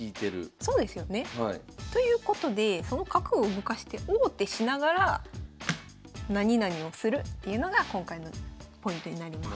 そうですよね。ということでその角を動かして王手しながら何々をするっていうのが今回のポイントになります。